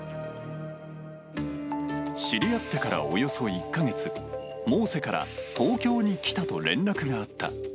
知り合ってからおよそ１か月、モーセから、東京に来たと連絡があった。